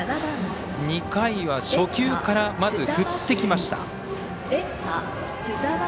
２回は、初球からまず振ってきました。